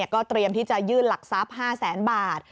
ก็เตรียมที่จะยื่นหลักทรัพย์๕แสนบาท